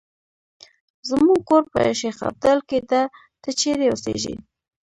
زمونږ کور په شیخ ابدال کې ده، ته چېرې اوسیږې؟